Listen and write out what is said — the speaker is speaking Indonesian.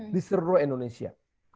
di seluruh indonesia